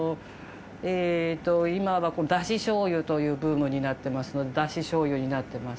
今はこのだし醤油というブームになってますのでだし醤油になってます。